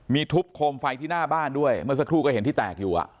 มีทุบโคมไฟที่หน้าบ้านด้วยเมื่อสักครู่ก็เห็นที่แตกอยู่